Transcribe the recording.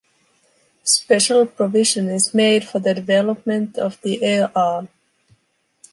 Special provision is made for the development of the air arm.